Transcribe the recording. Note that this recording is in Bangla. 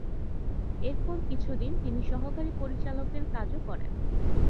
এরপর কিছুদিন তিনি সহকারী পরিচালকের কাজও করেন।